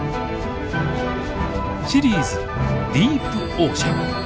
「シリーズディープオーシャン」。